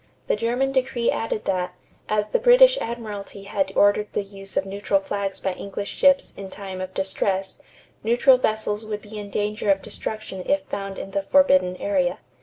The German decree added that, as the British admiralty had ordered the use of neutral flags by English ships in time of distress, neutral vessels would be in danger of destruction if found in the forbidden area.